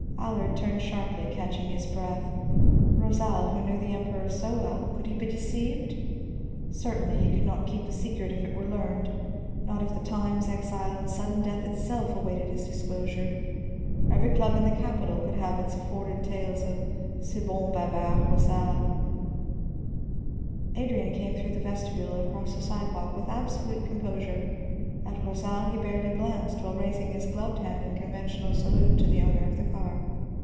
Allard turned sharply, catching his breath. Rosal, who knew the Emperor so well, could he be deceived? Certainly he could not keep the secret if it were learned, not if the mines, exile and sudden death itself awaited his disclosure; every club in the capital could have afforded tales of "ce bon bavard Rosal." Adrian came through the vestibule and across the sidewalk with absolute composure. At Rosal he barely glanced while raising his gloved hand in conventional salute to the owner of the car.